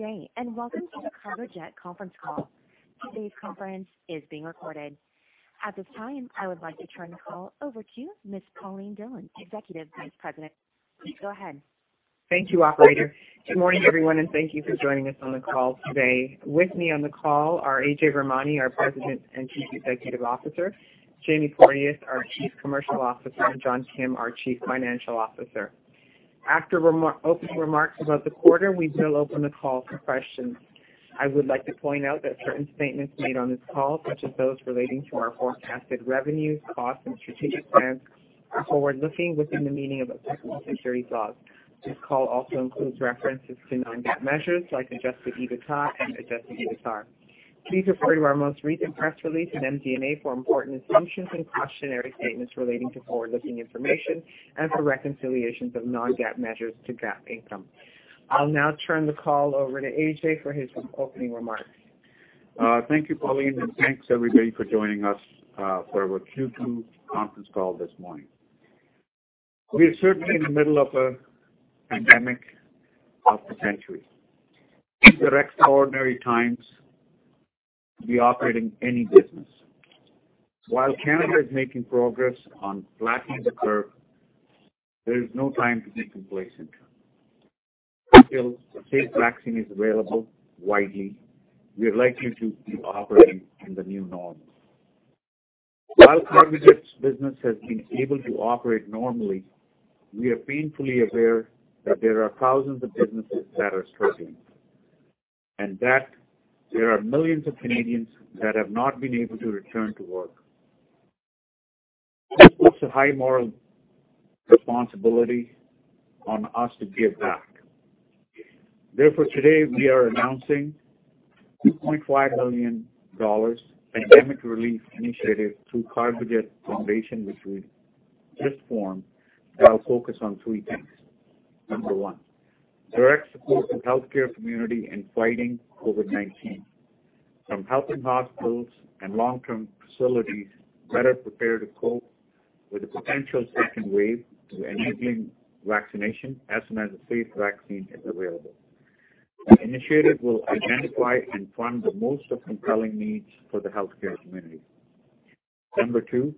Good day, and welcome to the Cargojet conference call. Today's conference is being recorded. At this time, I would like to turn the call over to Ms. Pauline Dhillon, Executive Vice President. Please go ahead. Thank you, operator. Good morning, everyone. Thank you for joining us on the call today. With me on the call are Ajay Virmani, our President and Chief Executive Officer, Jamie Porteous, our Chief Commercial Officer, and John Kim, our Chief Financial Officer. After opening remarks about the quarter, we will open the call for questions. I would like to point out that certain statements made on this call, such as those relating to our forecasted revenues, costs, and strategic plans, are forward-looking within the meaning of applicable securities laws. This call also includes references to non-GAAP measures like adjusted EBITDA and adjusted EBITDAR. Please refer to our most recent press release and MD&A for important assumptions and cautionary statements relating to forward-looking information and for reconciliations of non-GAAP measures to GAAP income. I'll now turn the call over to AJ for his opening remarks. Thank you, Pauline, and thanks, everybody, for joining us for our Q2 conference call this morning. We are certainly in the middle of a pandemic of the century. These are extraordinary times to be operating any business. While Canada is making progress on flattening the curve, there is no time to be complacent. Until a safe vaccine is available widely, we are likely to be operating in the new norm. While Cargojet's business has been able to operate normally, we are painfully aware that there are thousands of businesses that are struggling, and that there are millions of Canadians that have not been able to return to work. This puts a high moral responsibility on us to give back. Therefore, today we are announcing a 2.5 million dollars Pandemic Relief Initiative through Cargojet Foundation, which we just formed, that will focus on three things. Number one, direct support to the healthcare community in fighting COVID-19, from helping hospitals and long-term facilities better prepare to cope with the potential second wave, to enabling vaccination as soon as a safe vaccine is available. The initiative will identify and fund the most compelling needs for the healthcare community. Number two,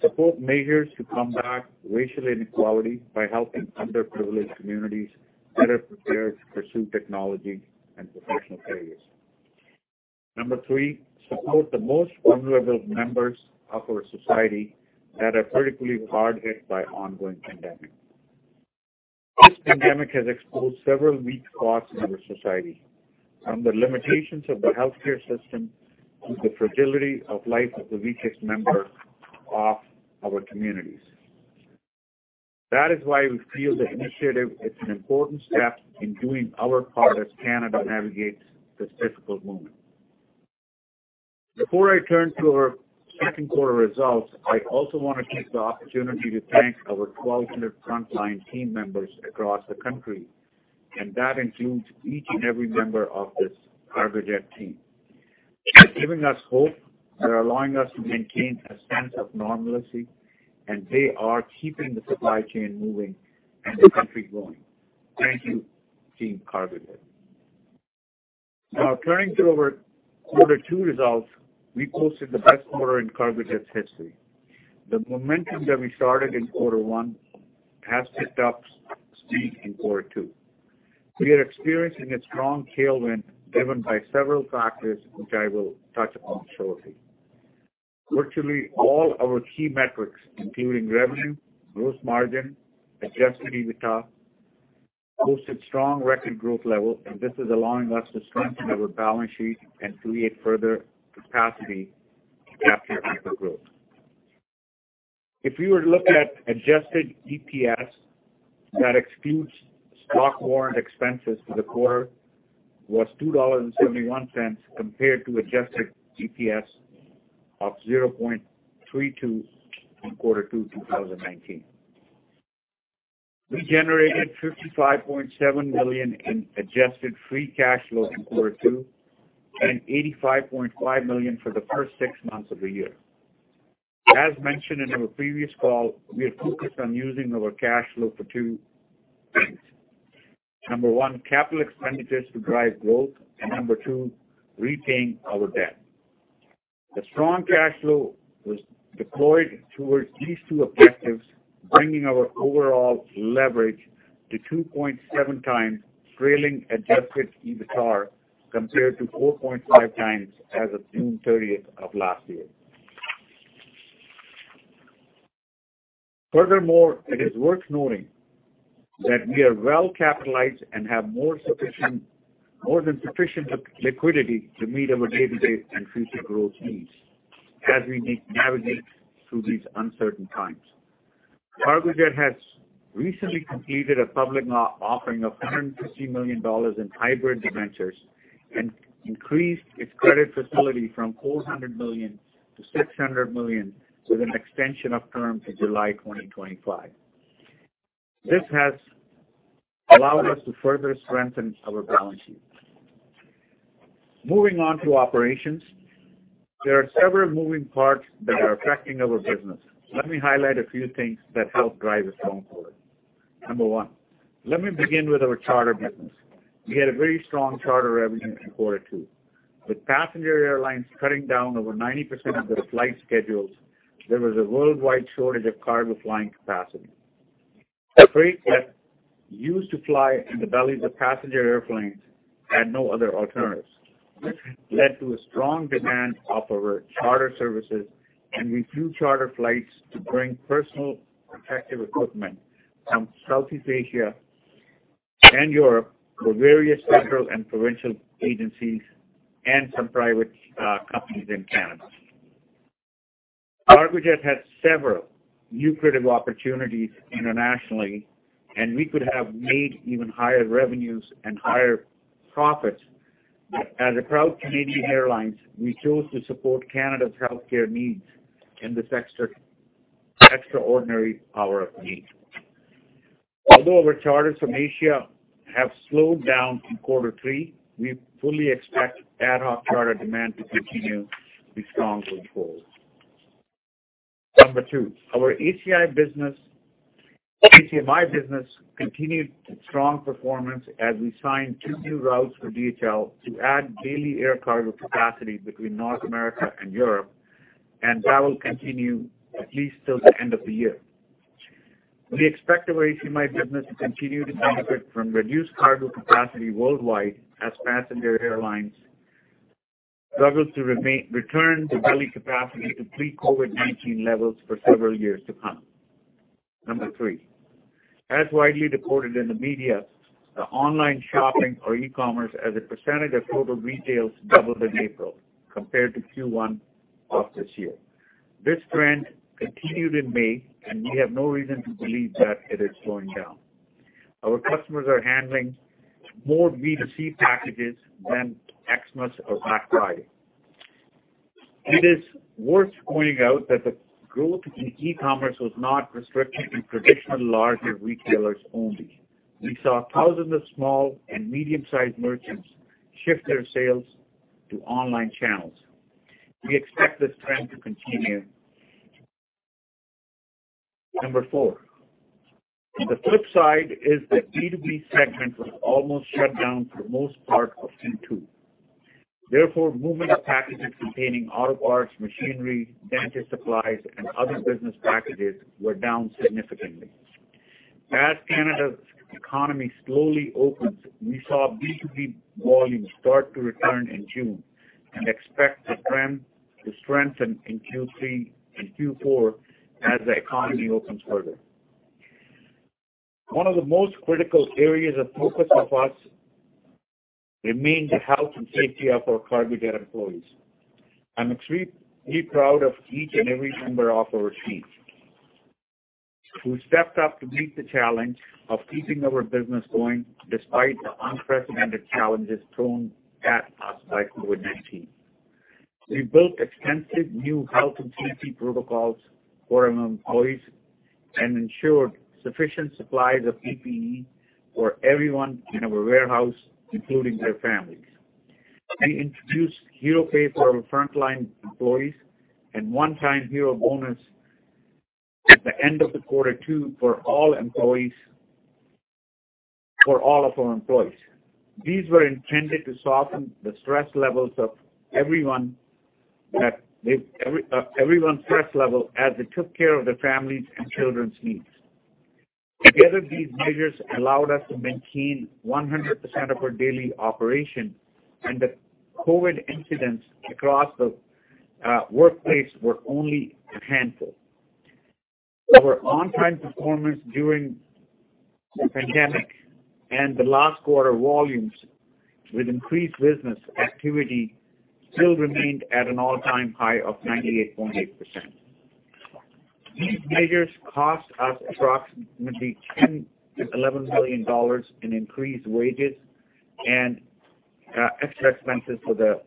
support measures to combat racial inequality by helping underprivileged communities better prepare to pursue technology and professional careers. Number three, support the most vulnerable members of our society that are critically hard hit by the ongoing pandemic. This pandemic has exposed several weak spots in our society, from the limitations of the healthcare system to the fragility of life of the weakest members of our communities. That is why we feel the initiative is an important step in doing our part as Canada navigates this difficult moment. Before I turn to our second quarter results, I also want to take the opportunity to thank our 1,200 frontline team members across the country, and that includes each and every member of this Cargojet team. They're giving us hope. They're allowing us to maintain a sense of normalcy, and they are keeping the supply chain moving and the country going. Thank you, Team Cargojet. Turning to our quarter two results, we posted the best quarter in Cargojet's history. The momentum that we started in quarter one has picked up steam in quarter two. We are experiencing a strong tailwind driven by several factors, which I will touch upon shortly. Virtually all our key metrics, including revenue, gross margin, adjusted EBITDA, posted strong record growth levels, and this is allowing us to strengthen our balance sheet and create further capacity to capture future growth. If you were to look at adjusted EPS, that excludes stock warrant expenses for the quarter, was 2.71 dollars compared to adjusted EPS of 0.32 in quarter two 2019. We generated 55.7 million in adjusted free cash flow in quarter two and 85.5 million for the first six months of the year. As mentioned in our previous call, we are focused on using our cash flow for two things. Number one, capital expenditures to drive growth, and number two, repaying our debt. The strong cash flow was deployed towards these two objectives, bringing our overall leverage to 2.7x trailing adjusted EBITDAR, compared to 4.5x as of June 30th of last year. It is worth noting that we are well capitalized and have more than sufficient liquidity to meet our day-to-day and future growth needs as we navigate through these uncertain times. Cargojet has recently completed a public offering of 150 million dollars in hybrid debentures and increased its credit facility from 400 million to 600 million, with an extension of term to July 2025. This has allowed us to further strengthen our balance sheet. Moving on to operations. There are several moving parts that are affecting our business. Let me highlight a few things that help drive us going forward. Number one, let me begin with our charter business. We had a very strong charter revenue in quarter two. With passenger airlines cutting down over 90% of their flight schedules, there was a worldwide shortage of cargo flying capacity. Freight that used to fly in the bellies of passenger airplanes had no other alternative. This led to a strong demand of our charter services, and we flew charter flights to bring personal protective equipment from Southeast Asia and Europe for various federal and provincial agencies and some private companies in Canada. Cargojet had several lucrative opportunities internationally, and we could have made even higher revenues and higher profits. As a proud Canadian airline, we chose to support Canada's healthcare needs in this extraordinary hour of need. Although our charters from Asia have slowed down in quarter three, we fully expect ad hoc charter demand to continue to be strong going forward. Number two, our ACMI business continued its strong performance as we signed two new routes for DHL to add daily air cargo capacity between North America and Europe, and that will continue at least till the end of the year. We expect our ACMI business to continue to benefit from reduced cargo capacity worldwide as passenger airlines struggle to return their belly capacity to pre-COVID-19 levels for several years to come. Number three, as widely reported in the media, the online shopping or e-commerce as a % of total retails doubled in April compared to Q1 of this year. This trend continued in May. We have no reason to believe that it is slowing down. Our customers are handling more B2C packages than Christmas or Black Friday. It is worth pointing out that the growth in e-commerce was not restricted to traditional larger retailers only. We saw thousands of small and medium-sized merchants shift their sales to online channels. We expect this trend to continue. Number four, the flip side is the B2B segment was almost shut down for the most part of Q2. Therefore, moving packages containing auto parts, machinery, dentist supplies, and other business packages were down significantly. As Canada's economy slowly opens, we saw B2B volumes start to return in June and expect the trend to strengthen in Q3 and Q4 as the economy opens further. One of the most critical areas of focus of us remains the health and safety of our Cargojet employees. I'm extremely proud of each and every member of our team, who stepped up to meet the challenge of keeping our business going despite the unprecedented challenges thrown at us by COVID-19. We built extensive new health and safety protocols for our employees and ensured sufficient supplies of PPE for everyone in our warehouse, including their families. We introduced hero pay for our frontline employees and one-time hero bonus at the end of the quarter two for all of our employees. These were intended to soften everyone's stress level as they took care of their families' and children's needs. Together, these measures allowed us to maintain 100% of our daily operation, and the COVID incidents across the workplace were only a handful. Our on-time performance during the pandemic and the last quarter volumes with increased business activity still remained at an all-time high of 98.8%. These measures cost us approximately 10 million-11 million dollars in increased wages and extra expenses for the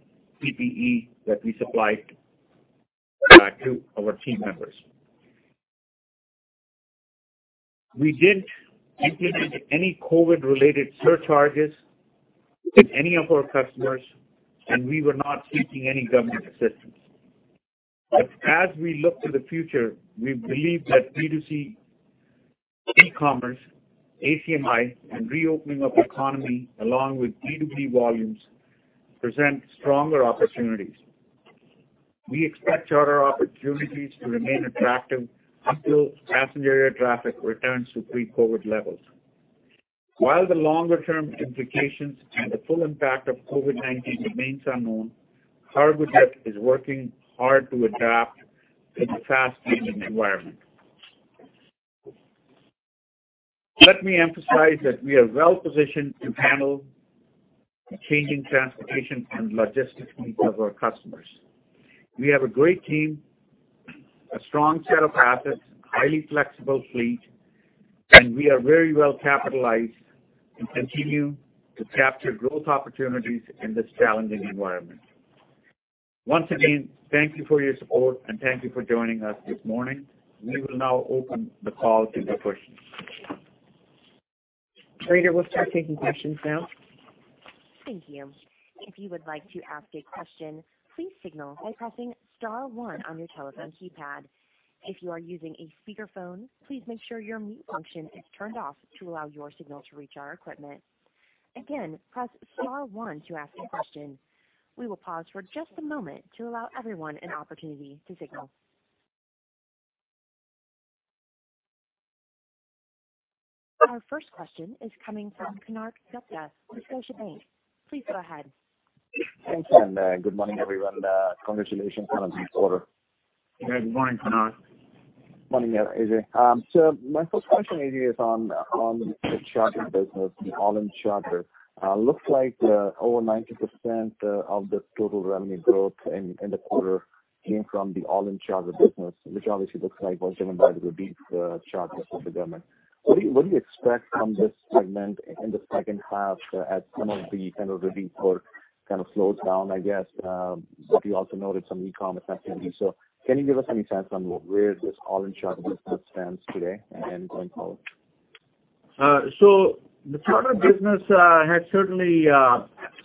PPE that we supplied to our team members. We didn't implement any COVID-related surcharges to any of our customers, and we were not seeking any government assistance. As we look to the future, we believe that B2C e-commerce, ACMI, and reopening of the economy along with B2B volumes, present stronger opportunities. We expect charter opportunities to remain attractive until passenger air traffic returns to pre-COVID levels. While the longer-term implications and the full impact of COVID-19 remains unknown, Cargojet is working hard to adapt to the fast-changing environment. Let me emphasize that we are well-positioned to handle the changing transportation and logistics needs of our customers. We have a great team, a strong set of assets, highly flexible fleet, and we are very well capitalized and continue to capture growth opportunities in this challenging environment. Once again, thank you for your support and thank you for joining us this morning. We will now open the call to the questions. Operator, we'll start taking questions now. Thank you. If you would like to ask a question, please signal by pressing star one on your telephone keypad. If you are using a speakerphone, please make sure your mute function is turned off to allow your signal to reach our equipment. Again, press star one to ask a question. We will pause for just a moment to allow everyone an opportunity to signal. Our first question is coming from Konark Gupta with Scotiabank. Please go ahead. Thank you, and good morning, everyone. Congratulations on a good quarter. Good morning, Konark. Morning, Ajay. My first question, Ajay, is on the charter business, the all-in charter. Looks like over 90% of the total revenue growth in the quarter came from the all-in charter business, which obviously looks like was driven by the repeat charters with the government. What do you expect from this segment in the second half as some of the repeat work slows down, I guess? You also noted some e-commerce activity. Can you give us any sense on where this all-in charter business stands today and going forward? The charter business has certainly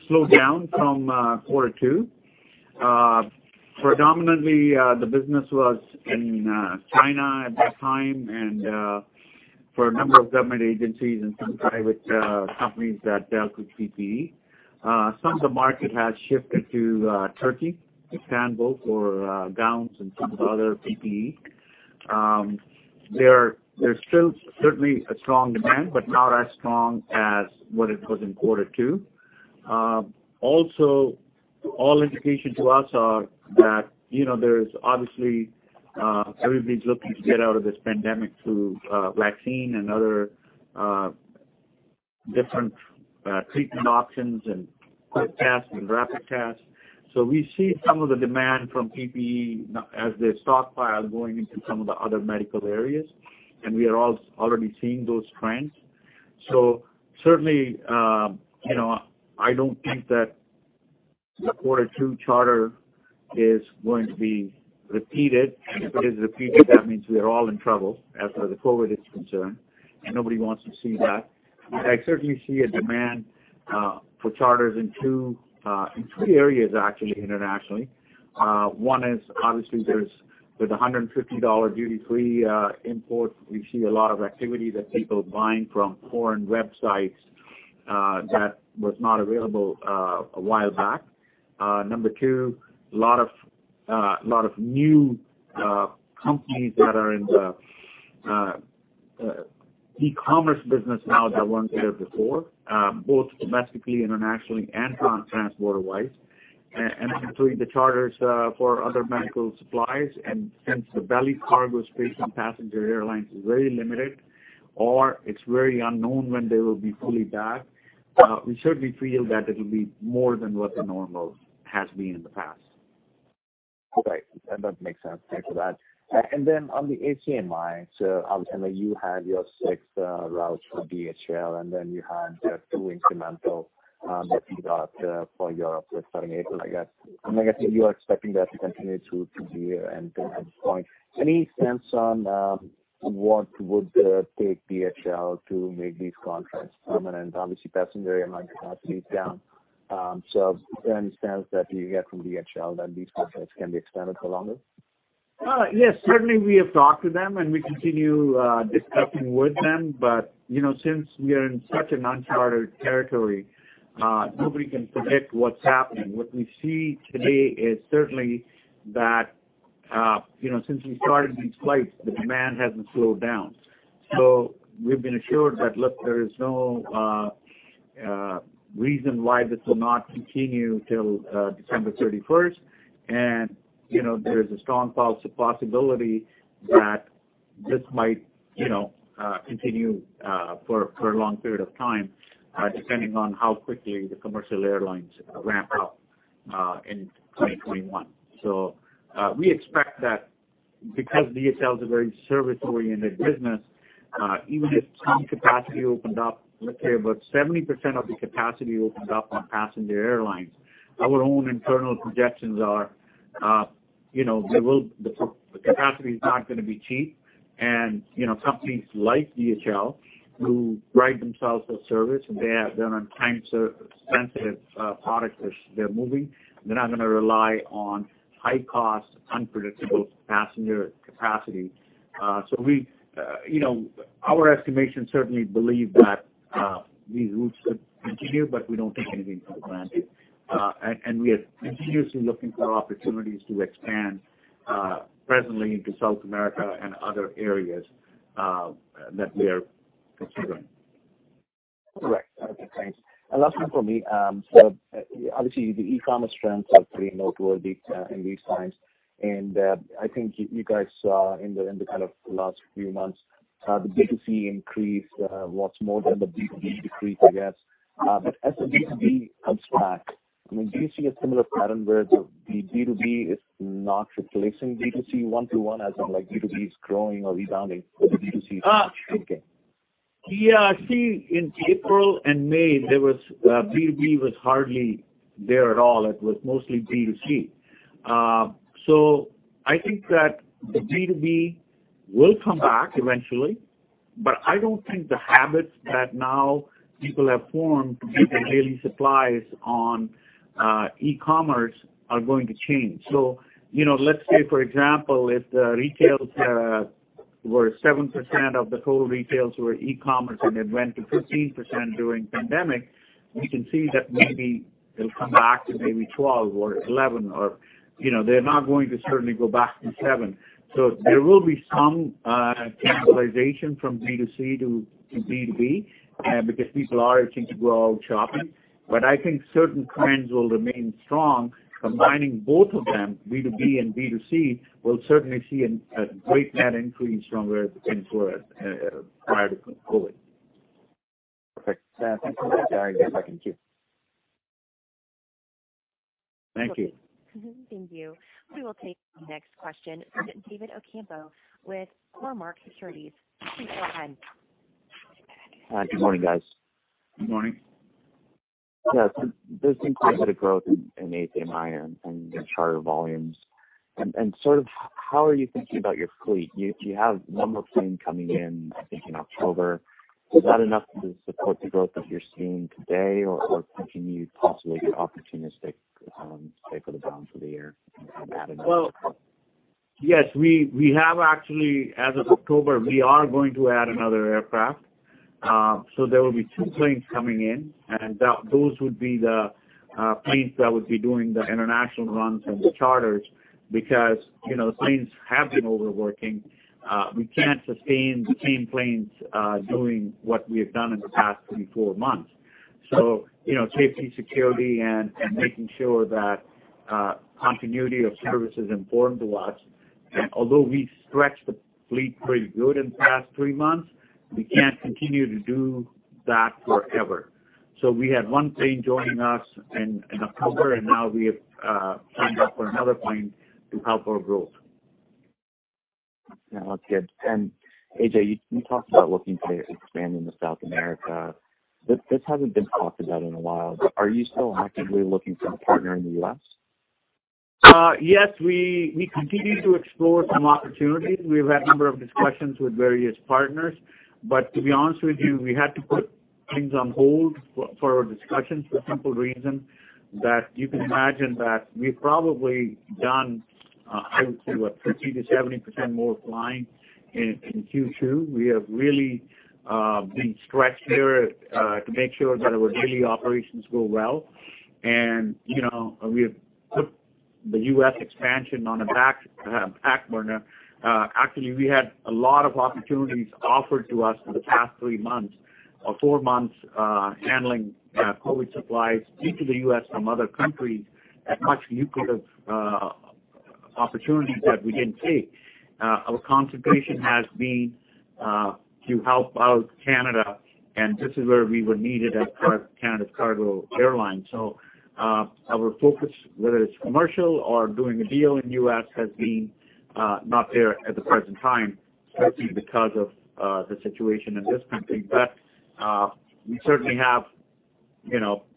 slowed down from quarter two. Predominantly, the business was in China at that time, and for a number of government agencies and some private companies that dealt with PPE. Some of the market has shifted to Turkey, Istanbul, for gowns and some other PPE. There's still certainly a strong demand, but not as strong as what it was in quarter two. All indications to us are that obviously, everybody's looking to get out of this pandemic through vaccine and other different treatment options and quick tests and rapid tests. We see some of the demand from PPE as they stockpile going into some of the other medical areas, and we are already seeing those trends. Certainly, I don't think that the quarter two charter is going to be repeated. If it is repeated, that means we are all in trouble as far as COVID is concerned, and nobody wants to see that. I certainly see a demand for charters in two areas, actually, internationally. One is obviously, there's the 150 dollar duty-free imports. We see a lot of activity that people buying from foreign websites that was not available a while back. Number two, a lot of new companies that are in the e-commerce business now that weren't there before, both domestically, internationally, and transborder-wise. Actually, the charters for other medical supplies, and since the belly cargo space on passenger airlines is very limited, or it's very unknown when they will be fully back, we certainly feel that it'll be more than what the normal has been in the past. Right. That makes sense. Thank you for that. On the ACMI, obviously, you had your six routes for DHL, and then you had the two incremental that you got for Europe starting April, I guess. I guess you are expecting that to continue through the end of this point. Any sense on what would take DHL to make these contracts permanent? Obviously, passenger aircraft capacity is down. Any sense that you get from DHL that these contracts can be extended for longer? Yes. Certainly, we have talked to them, and we continue discussing with them. Since we are in such an uncharted territory, nobody can predict what's happening. What we see today is certainly that since we started these flights, the demand hasn't slowed down. We've been assured that, look, there is no reason why this will not continue till December 31st, and there is a strong possibility that this might continue for a long period of time, depending on how quickly the commercial airlines ramp up in 2021. We expect that because DHL is a very service-oriented business, even if some capacity opened up, let's say about 70% of the capacity opens up on passenger airlines, our own internal projections are the capacity is not going to be cheap. Companies like DHL, who pride themselves for service, they have time-sensitive products they're moving, they're not going to rely on high-cost, unpredictable passenger capacity. Our estimations certainly believe that these routes should continue, but we don't take anything for granted. We are continuously looking for opportunities to expand presently into South America and other areas that we are considering. Correct. Okay, thanks. Last one from me. Obviously, the e-commerce trends are pretty noteworthy in these times. I think you guys saw in the last few months, the B2C increase was more than the B2B decrease, I guess. As the B2B comes back, do you see a similar pattern where the B2B is not replacing B2C one to one as in like B2B is growing or rebounding or the B2C shrinking? Yeah. See, in April and May, B2B was hardly there at all. It was mostly B2C. I think that the B2B will come back eventually, but I don't think the habits that now people have formed to get their daily supplies on e-commerce are going to change. Let's say, for example, if the retails were 7% of the total retails were e-commerce and it went to 15% during pandemic, we can see that maybe it'll come back to maybe 12 or 11 or they're not going to certainly go back to seven. There will be some cannibalization from B2C to B2B, because people are going to go out shopping. I think certain trends will remain strong. Combining both of them, B2B and B2C will certainly see a great net increase from where it was prior to COVID. Perfect. Thank you very much. I appreciate it. Thank you. Thank you. We will take the next question from David Ocampo with Cormark Securities. Please go ahead. Hi, good morning, guys. Good morning. Yes. There's been quite a bit of growth in ACMI and your charter volumes. How are you thinking about your fleet? You have one more plane coming in, I think, in October. Is that enough to support the growth that you're seeing today, or can you possibly be opportunistic say for the balance of the year and add another? Yes, we have actually, as of October, we are going to add another aircraft. There will be two planes coming in, and those would be the planes that would be doing the international runs and the charters because planes have been overworking. We can't sustain the same planes, doing what we have done in the past three, four months. Safety, security, and making sure that continuity of service is important to us. Although we stretched the fleet pretty good in the past three months, we can't continue to do that forever. We had one plane joining us in October, and now we have signed up for another plane to help our growth. Yeah. Well, good. Ajay, you talked about looking to expand into South America. This hasn't been talked about in a while. Are you still actively looking for a partner in the U.S.? Yes, we continue to explore some opportunities. We've had a number of discussions with various partners. To be honest with you, we had to put things on hold for our discussions for the simple reason that you can imagine that we've probably done, I would say, what, 50%-70% more flying in Q2. We have really been stretched here, to make sure that our daily operations go well. We have put the U.S. expansion on the back burner. Actually, we had a lot of opportunities offered to us in the past three months or four months, handling COVID supplies into the U.S. from other countries that actually we could have opportunities that we didn't take. Our concentration has been to help out Canada, and this is where we were needed as Canada's Cargojet airline. Our focus, whether it's commercial or doing a deal in U.S., has been not there at the present time, simply because of the situation in this country.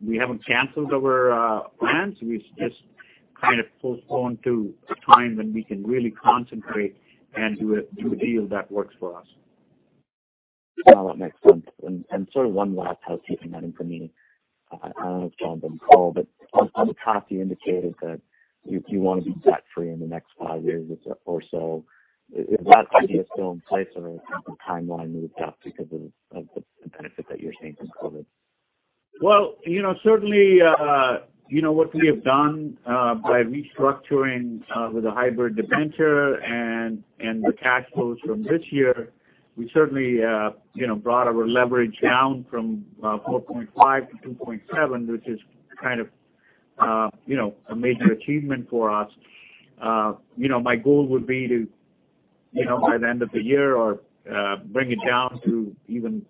We haven't canceled our plans. We've just kind of postponed to a time when we can really concentrate and do a deal that works for us. Well, that makes sense. Sort of one last housekeeping item for me. I don't know if John's on the call, but on the copy, indicated that you want to be debt-free in the next five years or so. Is that idea still in place, or has the timeline moved up because of the benefit that you're seeing from COVID? Well, certainly, what we have done, by restructuring with a hybrid debenture and the cash flows from this year, we certainly brought our leverage down from 4.5-2.7, which is kind of a major achievement for us. My goal would be to, by the end of the year or bring it down to even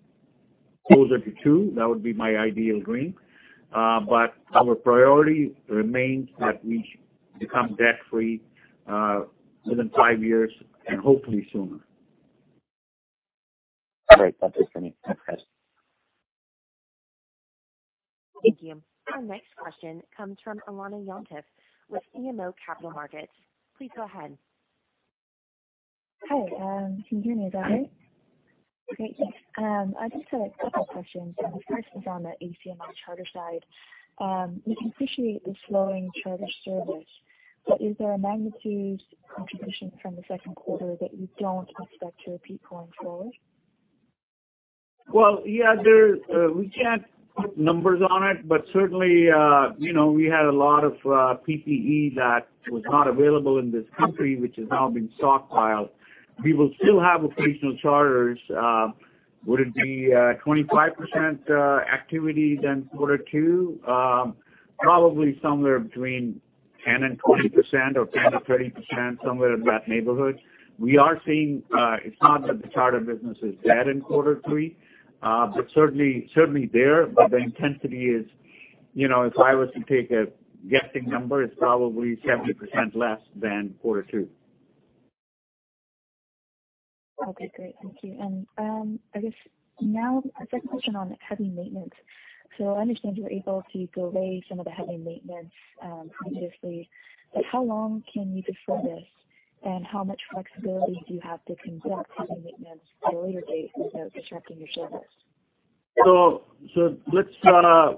closer to two. That would be my ideal dream. Our priority remains that we become debt-free within five years and hopefully sooner. Great. That's it for me. No questions. Thank you. Our next question comes from Fadi Chamoun with BMO Capital Markets. Please go ahead. Hi, can you hear me all right? Great. I just had a couple questions, and the first is on the ACMI charter side. We can appreciate the slowing charter service, but is there a magnitude contribution from the second quarter that you don't expect to repeat going forward? Well, yeah. We can't put numbers on it, but certainly, we had a lot of PPE that was not available in this country, which has now been stockpiled. We will still have occasional charters. Would it be 25% activity than quarter two? Probably somewhere between 10% and 20%, or 10%-30%, somewhere in that neighborhood. We are seeing, it's not that the charter business is dead in quarter three, but certainly there. The intensity is, if I was to take a guessing number, it's probably 70% less than quarter two. Okay, great. Thank you. I guess now a second question on heavy maintenance. I understand you were able to do away some of the heavy maintenance previously, but how long can you defer this and how much flexibility do you have to conduct heavy maintenance at a later date without disrupting your service?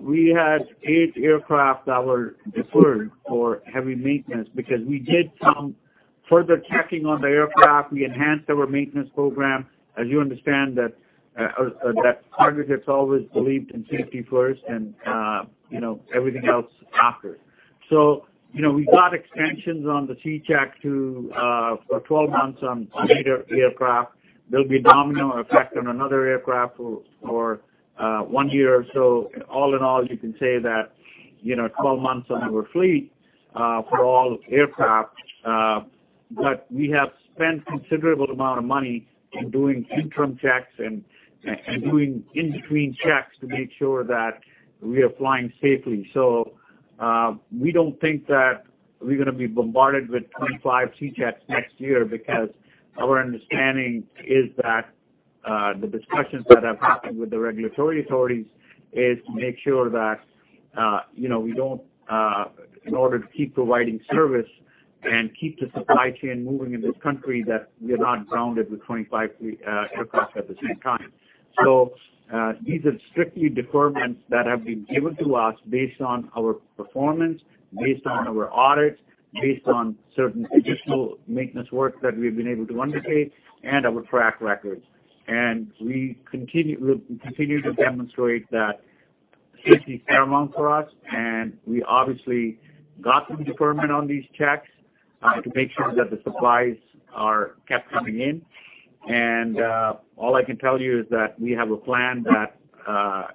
We had eight aircraft that were deferred for heavy maintenance because we did some further checking on the aircraft. We enhanced our maintenance program. As you understand that Cargojet has always believed in safety first and everything else after. We got extensions on the C check for 12 months on eight aircraft. There'll be a domino effect on another aircraft for one year. All in all, you can say that 12 months on our fleet for all aircraft. We have spent a considerable amount of money in doing interim checks and doing in-between checks to make sure that we are flying safely. We don't think that we're going to be bombarded with 25 C checks next year because our understanding is that the discussions that have happened with the regulatory authorities is to make sure that in order to keep providing service and keep the supply chain moving in this country, that we are not grounded with 25 fleet aircraft at the same time. These are strictly deferments that have been given to us based on our performance, based on our audits, based on certain additional maintenance work that we've been able to undertake, and our track records. We continue to demonstrate that safety is paramount for us, and we obviously got some deferment on these checks to make sure that the supplies are kept coming in. All I can tell you is that we have a plan that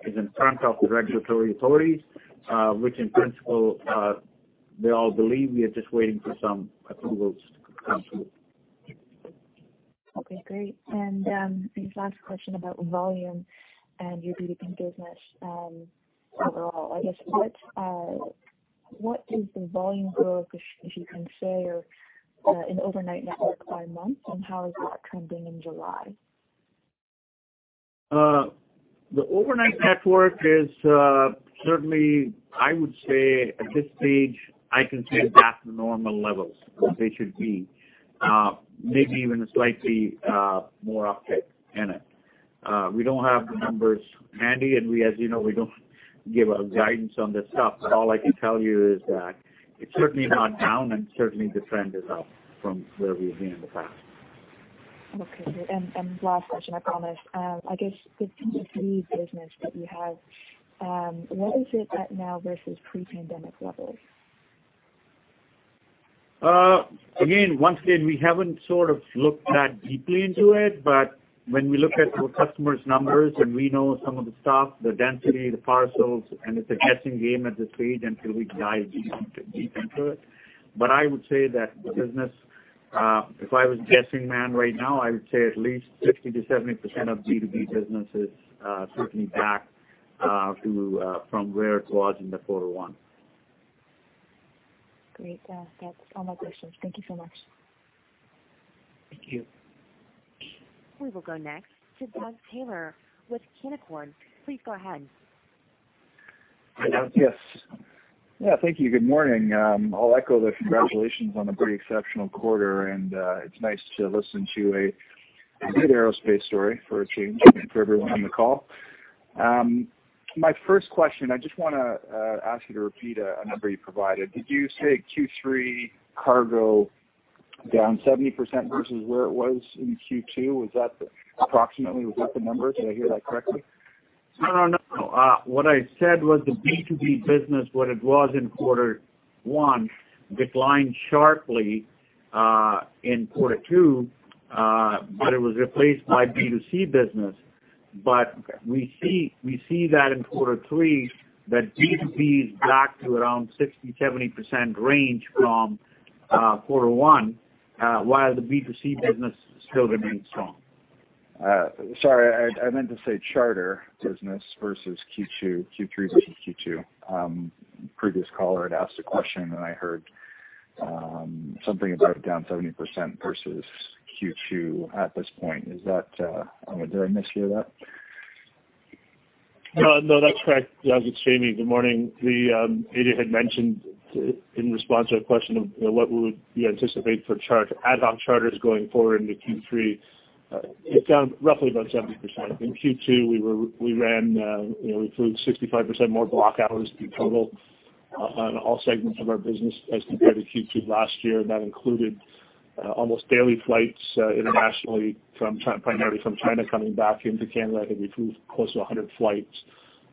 is in front of the regulatory authorities, which in principle, they all believe we are just waiting for some approvals to come through. Okay, great. This last question about volume and your B2C business overall. I guess, what is the volume growth, if you can share, in overnight network by month, and how is that trending in July? The overnight network is certainly, I would say at this stage, I can say back to normal levels where they should be. Maybe even a slightly more uptick in it. We don't have the numbers handy, and as you know, we don't give a guidance on this stuff. All I can tell you is that it's certainly not down and certainly the trend is up from where we've been in the past. Okay. Last question, I promise. I guess with the B2C business that you have, where is it at now versus pre-pandemic levels? Once again, we haven't sort of looked that deeply into it, but when we look at our customers' numbers and we know some of the stuff, the density, the parcels, and it's a guessing game at this stage until we dive deep into it. I would say that the business, if I was a guessing man right now, I would say at least 50%-70% of B2B business is certainly back from where it was in the quarter one. Great. That's all my questions. Thank you so much. Thank you. We will go next to Doug Taylor with Canaccord. Please go ahead. Yes. Thank you. Good morning. I'll echo the congratulations on a pretty exceptional quarter. It's nice to listen to a good aerospace story for a change and for everyone on the call. My first question, I just want to ask you to repeat a number you provided. Did you say Q3 cargo down 70% versus where it was in Q2? Approximately, was that the number? Did I hear that correctly? No, what I said was the B2B business, what it was in quarter one, declined sharply in quarter two, but it was replaced by B2C business. We see that in quarter three, that B2B is back to around 60%, 70% range from quarter one, while the B2C business still remains strong. Sorry, I meant to say charter business versus Q2, Q3 versus Q2. Previous caller had asked a question and I heard something about it down 70% versus Q2 at this point. Did I mishear that? No, that's correct. Doug, it's Jamie. Good morning. Ajay had mentioned in response to a question of what would we anticipate for ad hoc charters going forward into Q3. It's down roughly about 70%. In Q2, we flew 65% more block hours in total on all segments of our business as compared to Q2 last year. That included almost daily flights internationally, primarily from China coming back into Canada. I think we flew close to 100 flights.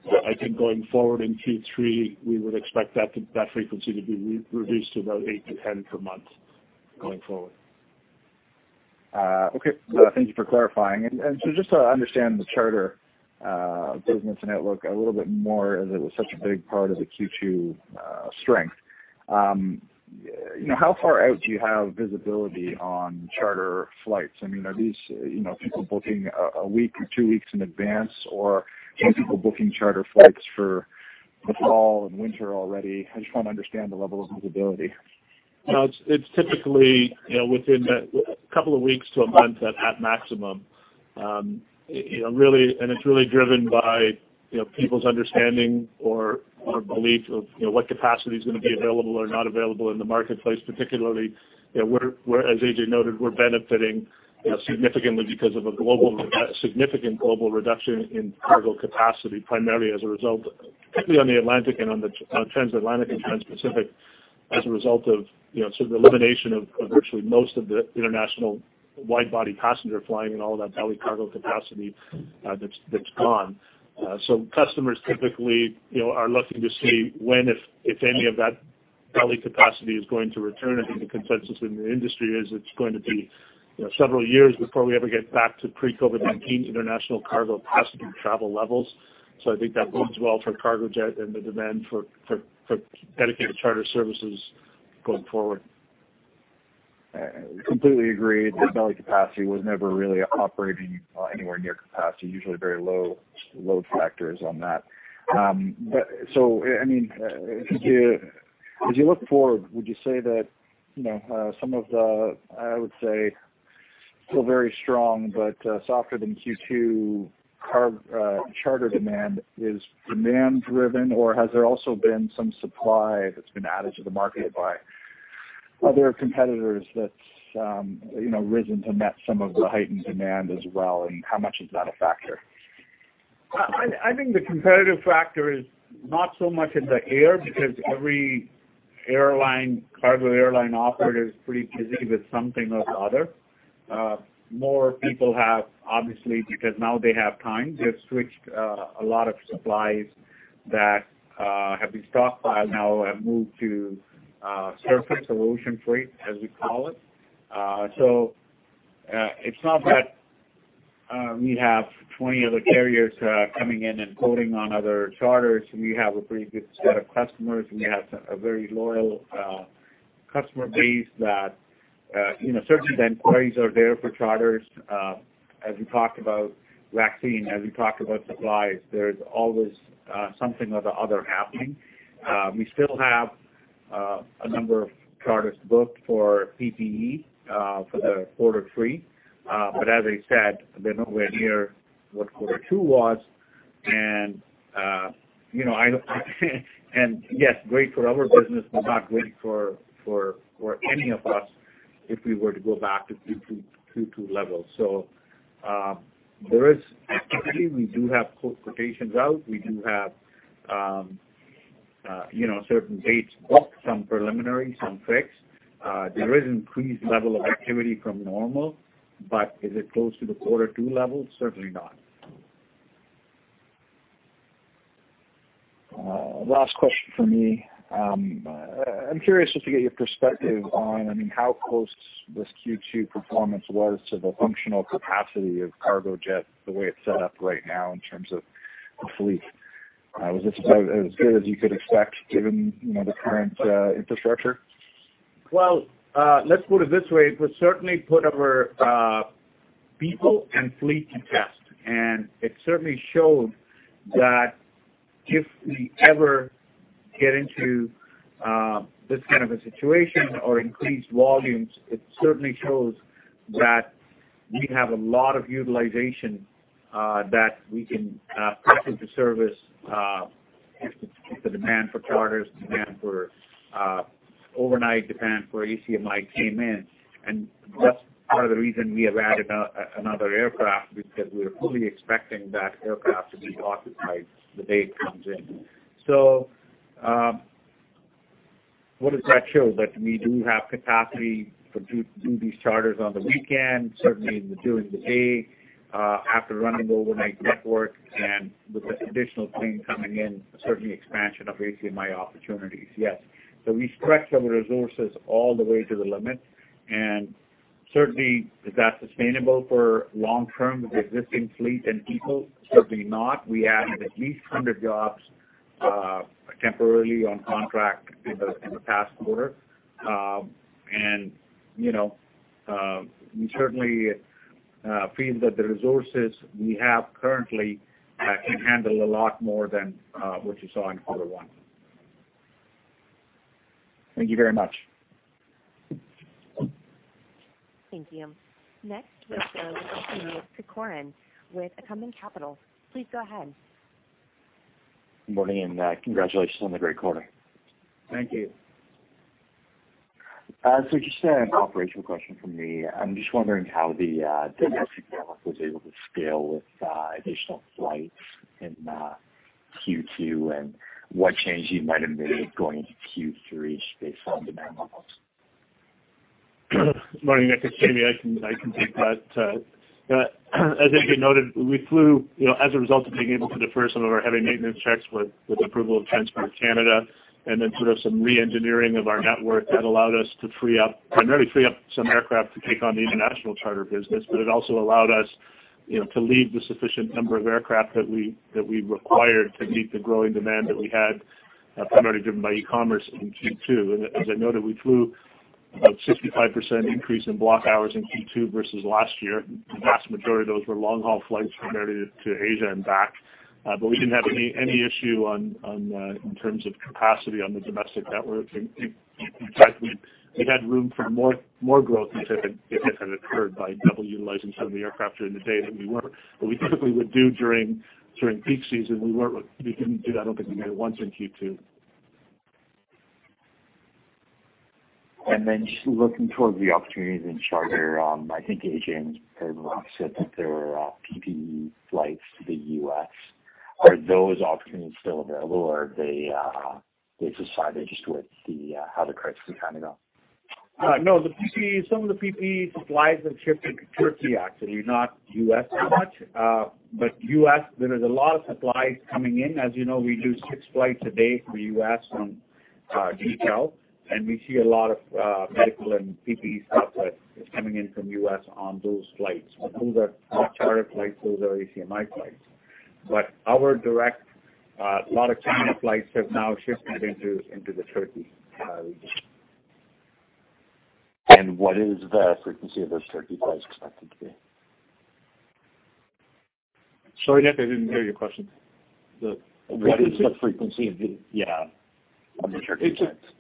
I think going forward in Q3, we would expect that frequency to be reduced to about eight to 10 per month going forward. Okay. Thank you for clarifying. Just to understand the charter business and outlook a little bit more, as it was such a big part of the Q2 strength. How far out do you have visibility on charter flights? I mean, are these people booking a week or two weeks in advance, or are people booking charter flights for the fall and winter already? I just want to understand the level of visibility. No, it's typically within a couple of weeks to a month at maximum. It's really driven by people's understanding or belief of what capacity is going to be available or not available in the marketplace. Particularly, as AJ noted, we're benefiting significantly because of a significant global reduction in cargo capacity, primarily as a result, particularly on the transatlantic and transpacific, as a result of sort of the elimination of virtually most of the international wide-body passenger flying and all of that belly cargo capacity that's gone. Customers typically are looking to see when, if any, of that belly capacity is going to return. I think the consensus in the industry is it's going to be several years before we ever get back to pre-COVID-19 international cargo passenger travel levels. I think that bodes well for Cargojet and the demand for dedicated charter services going forward. I completely agree. The belly capacity was never really operating anywhere near capacity, usually very low load factors on that. As you look forward, would you say that some of the, I would say, still very strong but softer than Q2 charter demand is demand-driven, or has there also been some supply that's been added to the market by other competitors that's risen to meet some of the heightened demand as well? How much is that a factor? I think the competitive factor is not so much in the air, because every cargo airline operator is pretty busy with something or the other. More people have, obviously, because now they have time, they've switched a lot of supplies that have been stockpiled now and moved to surface or ocean freight, as we call it. It's not that we have 20 other carriers coming in and quoting on other charters. We have a pretty good set of customers, and we have a very loyal customer base that certain inquiries are there for charters. As we talked about vaccine, as we talked about supplies, there's always something or the other happening. We still have a number of charters booked for PPE for the quarter three. As I said, they're nowhere near what quarter two was. Yes, great for our business, but not great for any of us if we were to go back to Q2 levels. There is activity. We do have quotations out. We do have certain dates booked, some preliminary, some fixed. There is increased level of activity from normal. Is it close to the quarter two levels? Certainly not. Last question from me. I'm curious just to get your perspective on how close this Q2 performance was to the functional capacity of Cargojet, the way it's set up right now in terms of the fleet. Was this about as good as you could expect given the current infrastructure? Well, let's put it this way. It certainly put our people and fleet to test, and it certainly showed that if we ever get into this kind of a situation or increased volumes, it certainly shows that we have a lot of utilization that we can put into service if the demand for charters, demand for overnight, demand for ACMI came in. That's part of the reason we have added another aircraft, because we're fully expecting that aircraft to be occupied the day it comes in. What does that show? That we do have capacity to do these charters on the weekend, certainly during the day, after running overnight network, and with this additional plane coming in, certainly expansion of ACMI opportunities, yes. We stretched our resources all the way to the limit. Certainly, is that sustainable for long term with the existing fleet and people? Certainly not. We added at least 100 jobs temporarily on contract in the past quarter. We certainly feel that the resources we have currently can handle a lot more than what you saw in quarter one. Thank you very much. Thank you. Next, we have with Acumen Securities. Please go ahead. Good morning, and congratulations on the great quarter. Thank you. Just an operational question from me. I'm just wondering how the network was able to scale with additional flights in Q2, and what changes you might have made going into Q3 based on demand levels. Morning. This is Jamie. I can take that. As AJ noted, we flew as a result of being able to defer some of our heavy maintenance checks with approval of Transport Canada, and then sort of some re-engineering of our network that allowed us to primarily free up some aircraft to take on the international charter business. It also allowed us to leave the sufficient number of aircraft that we required to meet the growing demand that we had, primarily driven by e-commerce in Q2. As I noted, we flew about 65% increase in block hours in Q2 versus last year. The vast majority of those were long-haul flights primarily to Asia and back We didn't have any issue in terms of capacity on the domestic network. In fact, we had room for more growth if it had occurred by double utilizing some of the aircraft during the day that we weren't. We typically would do during peak season, we didn't do that. I don't think we did it once in Q2. Just looking towards the opportunities in charter. I think AJ said that there are PPE flights to the U.S. Are those opportunities still available, or they decided just with how the crisis is panning out? No, some of the PPE supplies have shifted to Turkey, actually, not U.S. that much. U.S., there is a lot of supplies coming in. As you know, we do six flights a day for U.S. from DHL, and we see a lot of medical and PPE stuff that is coming in from U.S. on those flights. Those are not charter flights. Those are ACMI flights. Our direct, a lot of China flights have now shifted into the Turkey region. What is the frequency of those Turkey flights expected to be? Sorry, I didn't hear your question. The frequency- What is the frequency of the, yeah, on the Turkey flights? It's just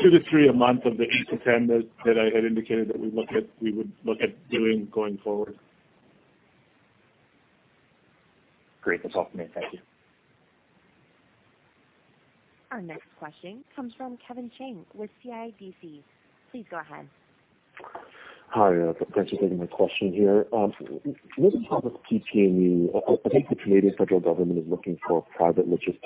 two to three a month of the 8-10 that I had indicated that we would look at doing going forward. Great. That's all for me. Thank you. Our next question comes from Kevin Chiang with CIBC. Please go ahead. Hi. Thanks for taking my question here. With regard to PPE, I think the Canadian federal government is looking for a private logistics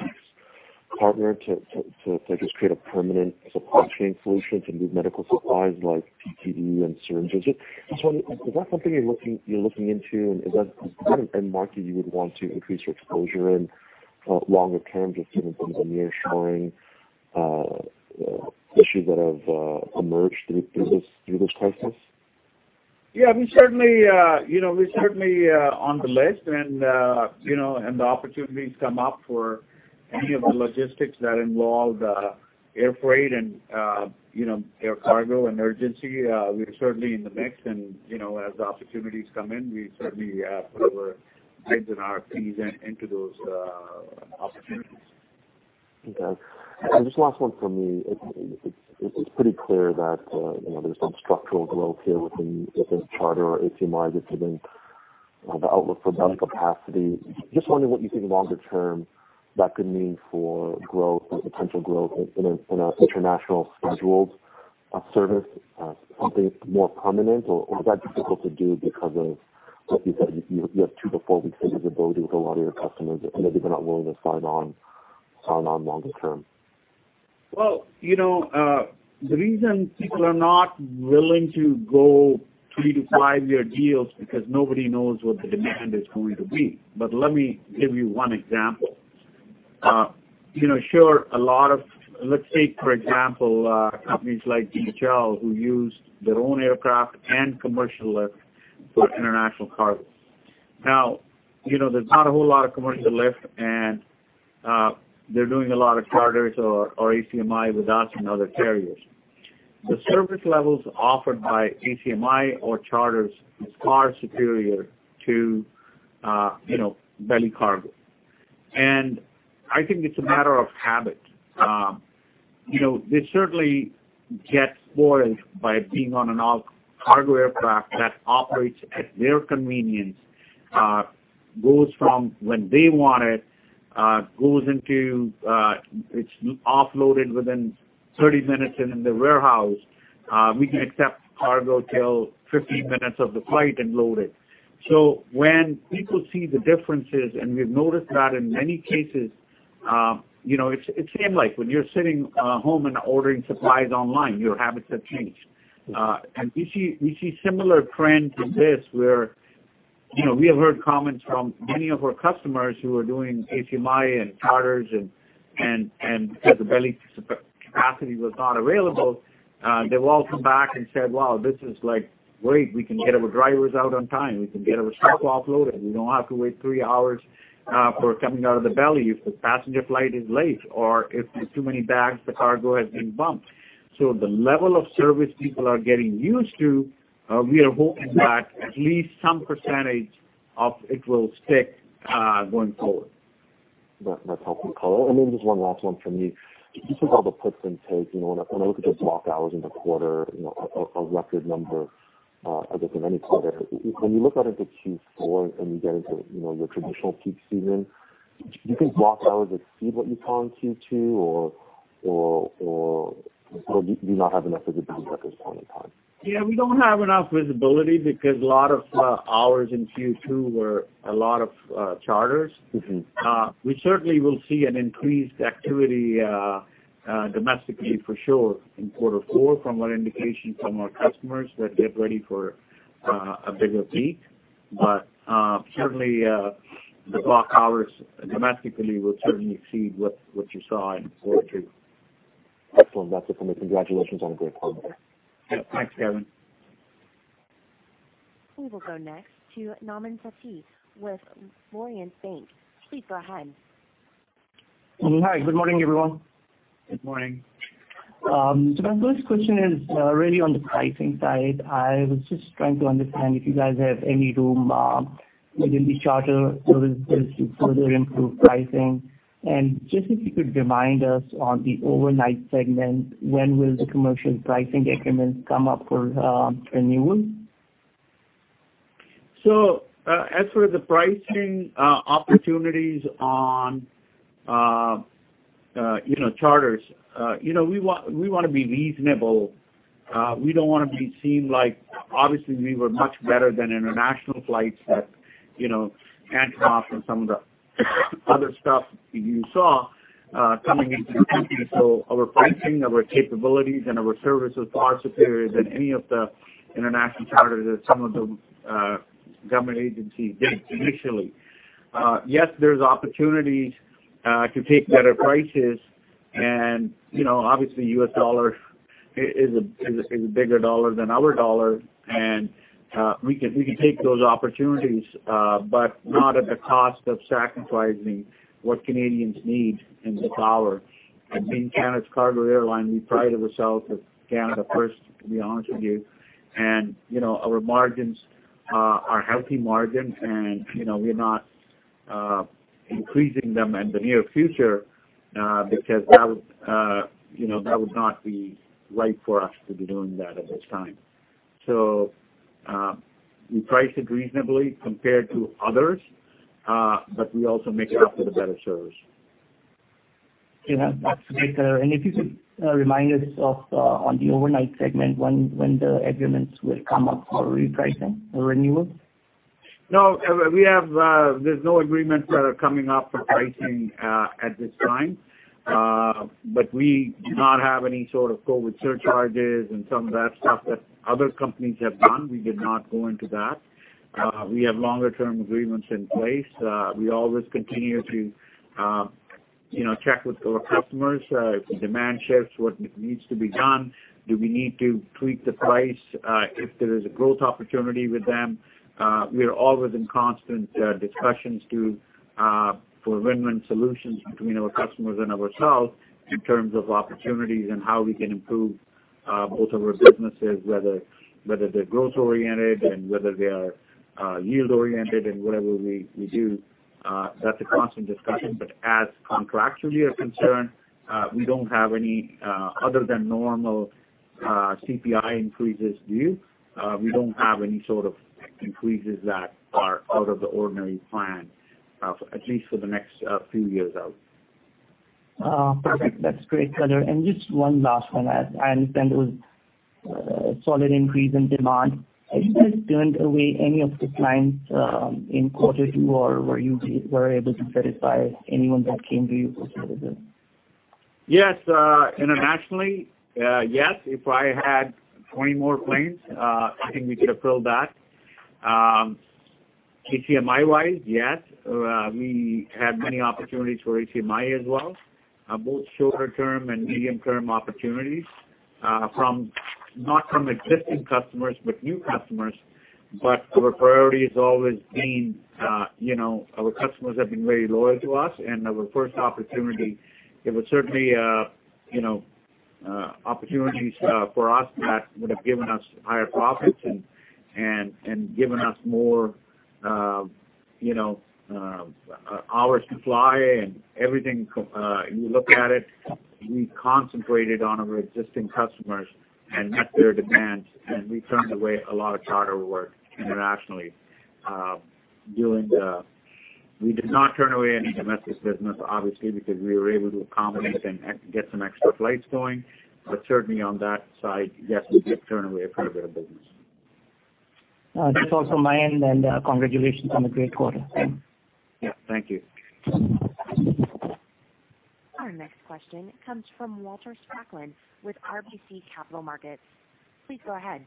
partner to just create a permanent supply chain solution to move medical supplies like PPE and syringes. Just wondering, is that something you're looking into, and is that an end market you would want to increase your exposure in longer term, just given some of the nearshoring issues that have emerged through this crisis? Yeah, we're certainly on the list, and the opportunities come up for any of the logistics that involve air freight and air cargo and urgency. We are certainly in the mix, and as the opportunities come in, we certainly put our bids and RFPs into those opportunities. Okay. Just last one from me. It's pretty clear that there's been structural growth here within charter or ACMI, given the outlook for belly capacity. Just wondering what you think longer term that could mean for potential growth in an international scheduled service, something more permanent, or is that difficult to do because of what you said, you have two to four-week visibility with a lot of your customers, and that they're not willing to sign on longer term? The reason people are not willing to go 3-5-year deals because nobody knows what the demand is going to be. Let me give you one example. Let's take, for example, companies like DHL, who use their own aircraft and commercial lift for international cargo. There's not a whole lot of commercial lift, and they're doing a lot of charters or ACMI with us and other carriers. The service levels offered by ACMI or charters is far superior to belly cargo. I think it's a matter of habit. They certainly get spoiled by being on an all-cargo aircraft that operates at their convenience. Goes from when they want it's offloaded within 30 minutes and in the warehouse. We can accept cargo till 15 minutes of the flight and load it. When people see the differences, and we've noticed that in many cases, it's same like when you're sitting home and ordering supplies online, your habits have changed. We see similar trend to this where we have heard comments from many of our customers who are doing ACMI and charters and because the belly capacity was not available, they've all come back and said, "Wow, this is great. We can get our drivers out on time. We can get our truck offloaded. We don't have to wait three hours for coming out of the belly if the passenger flight is late or if there's too many bags, the cargo has been bumped." The level of service people are getting used to, we are hoping that at least some % of it will stick going forward. That's helpful, Color. Maybe just one last one from me. Just with all the puts and takes, when I look at those block hours in the quarter, a record number, I guess, in any quarter. When you look out into Q4 and you get into your traditional peak season, do you think block hours exceed what you saw in Q2, or do you not have enough visibility at this point in time? Yeah, we don't have enough visibility because a lot of hours in Q2 were a lot of charters. We certainly will see an increased activity domestically for sure in quarter four from our indication from our customers that get ready for a bigger peak. Certainly, the block hours domestically will certainly exceed what you saw in quarter two. Excellent. That's it for me. Congratulations on a great quarter. Yeah. Thanks, Kevin. We will go next to Nauman Satti with Laurentian. Please go ahead. Hi. Good morning, everyone. Good morning. My first question is really on the pricing side. I was just trying to understand if you guys have any room within the charter services to further improve pricing. Just if you could remind us on the overnight segment, when will the commercial pricing agreements come up for renewal? As for the pricing opportunities on charters. We want to be reasonable. We don't want to be seen like, obviously, we were much better than international flights that, Antonov and some of the other stuff you saw coming into the country. Our pricing, our capabilities, and our service is far superior than any of the international charters that some of the government agencies did initially. Yes, there's opportunities to take better prices and, obviously, US dollar is a bigger dollar than our dollar. We can take those opportunities, but not at the cost of sacrificing what Canadians need in the dollar. Being Canada's cargo airline, we pride ourselves as Canada first, to be honest with you. Our margins are healthy margins, and we're not increasing them in the near future, because that would not be right for us to be doing that at this time. We price it reasonably compared to others, but we also make it up with a better service. Yeah. That's great. If you could remind us of, on the overnight segment, when the agreements will come up for repricing or renewal? There's no agreements that are coming up for pricing at this time. We do not have any sort of COVID surcharges and some of that stuff that other companies have done. We did not go into that. We have longer term agreements in place. We always continue to check with our customers. If demand shifts, what needs to be done? Do we need to tweak the price? If there is a growth opportunity with them, we are always in constant discussions for win-win solutions between our customers and ourselves in terms of opportunities and how we can improve both of our businesses, whether they're growth oriented and whether they are yield oriented in whatever we do. That's a constant discussion. As contracts we are concerned, we don't have any other than normal CPI increases due. We don't have any sort of increases that are out of the ordinary planned, at least for the next few years out. Perfect. That's great, Color. Just one last one. As I understand, there was a solid increase in demand. Have you guys turned away any of the clients in quarter two, or were you able to satisfy anyone that came to you for charter business? Yes. Internationally, yes. If I had 20 more planes, I think we could have filled that. ACMI wise, yes. We had many opportunities for ACMI as well, both shorter term and medium term opportunities, not from existing customers, but new customers. Our priority has always been our customers have been very loyal to us, and our first opportunity, there was certainly opportunities for us that would have given us higher profits and given us more hours to fly and everything. You look at it, we concentrated on our existing customers and met their demands, and we turned away a lot of charter work internationally during the. We did not turn away any domestic business, obviously, because we were able to accommodate and get some extra flights going. Certainly on that side, yes, we did turn away a fair bit of business. That's also my end then. Congratulations on a great quarter. Yeah. Thank you. Our next question comes from Walter Spracklin with RBC Capital Markets. Please go ahead.